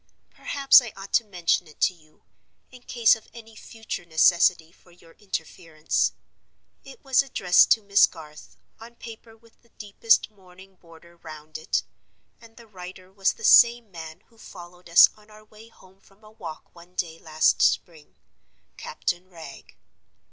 Perhaps I ought to mention it to you, in case of any future necessity for your interference. It was addressed to Miss Garth, on paper with the deepest mourning border round it; and the writer was the same man who followed us on our way home from a walk one day last spring—Captain Wragge.